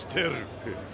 フッ。